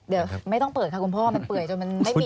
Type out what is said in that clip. เดี๋ยวไม่ต้องเปิดค่ะคุณพ่อมันเปิดจนมันไม่มีที่สรรพิษเนอะ